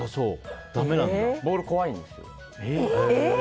ボール、怖いんですよ。